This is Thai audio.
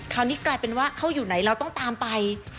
คราวนี้กลายเป็นว่าเขาอยู่ไหนเราต้องตามไป